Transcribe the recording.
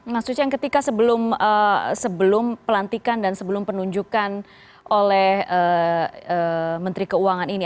mas uceng ketika sebelum pelantikan dan sebelum penunjukan oleh menteri keuangan ini